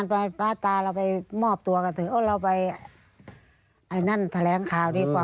ไปป๊าตาเราไปมอบตัวกันเถอะเราไปไอ้นั่นแถลงข่าวดีกว่า